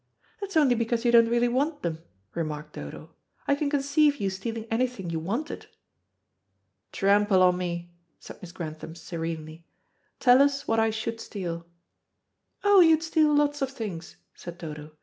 "That's only because you don't really want them," remarked Dodo. "I can conceive you stealing anything you wanted." "Trample on me," said Miss Grantham serenely. "Tell us what I should steal." "Oh, you'd steal lots of things," said Dodo.